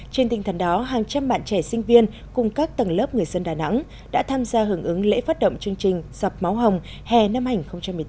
trên tình thần đó hàng trăm bạn trẻ sinh viên cùng các tầng lớp người dân đà nẵng đã tham gia hưởng ứng lễ phát động chương trình sập máu hồng hè năm hành hai nghìn một mươi tám